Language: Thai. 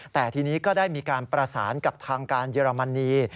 แต่ทีนี้ก็ได้มีการประสานกับทางการเยอรมนี